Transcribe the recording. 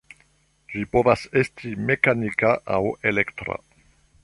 Ĝi povas esti mekanika aŭ elektra.